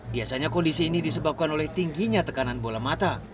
biasanya kondisi ini disebabkan oleh tingginya tekanan bola mata